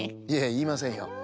いやいいませんよ。